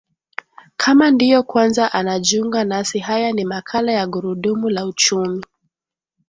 kama ndiyo kwanza anajiunga nasi haya ni makala ya gurudumu la uchumi